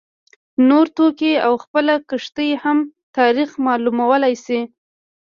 نور توکي او خپله کښتۍ هم تاریخ معلومولای شي